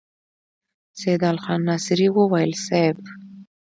سيدال خان ناصري وويل: صېب!